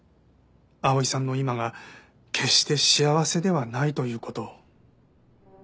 碧さんの今が決して幸せではないという事を。